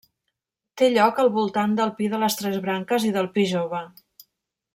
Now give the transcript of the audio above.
Té lloc al voltant del Pi de les Tres Branques i del Pi Jove.